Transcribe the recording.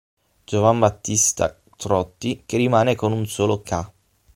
Giovambattista Trotti che rimane con un solo Ca.